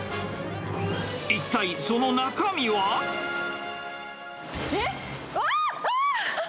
一体、その中身は？え？わー！